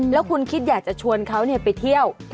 แล้วคุณคิดอยากจะชวนเขาไปเที่ยว